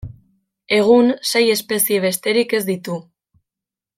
Egun, sei espezie besterik ez ditu.